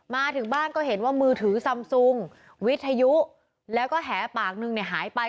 มาถึงบ้านก็เห็นว่ามือถือซำซุงวิทยุแล้วก็แหปากนึงเนี่ยหายไป